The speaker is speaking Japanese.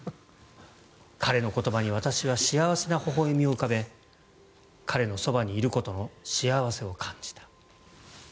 彼の言葉に私は幸せなほほ笑みを浮かべ彼のそばにいることの幸せを感じた。